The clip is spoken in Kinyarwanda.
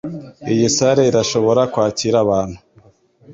Iyi salle irashobora kwakira abantu .